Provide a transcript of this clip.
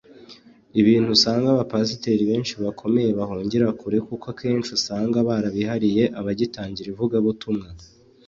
ibintu usanga abapasiteri benshi bakomeye bahungira kure kuko kenshi usanga barabihariye abagitangira ivugabutumwa